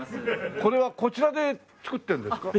これはこちらで作ってるんですか？